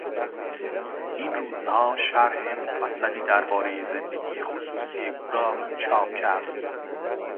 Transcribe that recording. این روزها شرح مفصلیدربارهی زندگی خصوصی او را چاپ کرد.